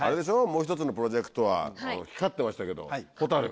もう一つのプロジェクトは光ってましたけど。